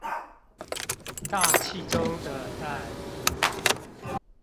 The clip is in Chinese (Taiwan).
大氣中的氮